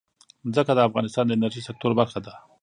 ځمکه د افغانستان د انرژۍ سکتور برخه ده.